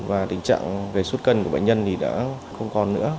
và tình trạng về suốt cân của bệnh nhân thì đã không còn nữa